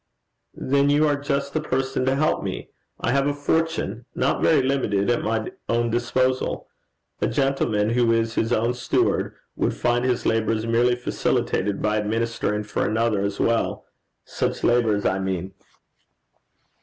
'Then you are just the person to help me! I have a fortune, not very limited, at my own disposal: a gentleman who is his own steward, would find his labours merely facilitated by administering for another as well such labours, I mean.'